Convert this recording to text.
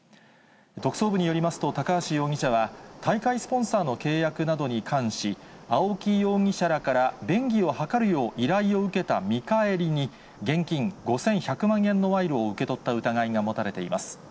特捜部によりますと、高橋容疑者は大会スポンサーの契約などに関し、青木容疑者らから便宜を図るよう依頼を受けた見返りに、現金５１００万円の賄賂を受け取った疑いが持たれています。